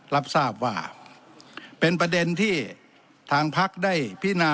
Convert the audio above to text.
รับทราบว่าเป็นประเด็นที่ทางพักได้พินา